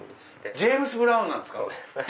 ジェームズ・ブラウンなんですか！